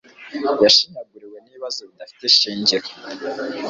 Yashinyaguriwe nibibazo bidafite ishingiro